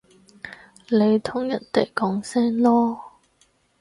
你同人哋講聲囉